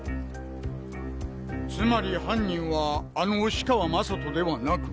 つまり犯人はあの押川将斗ではなく。